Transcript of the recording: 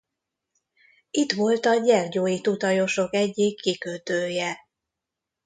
Itt volt a gyergyói tutajosok egyik kikötője.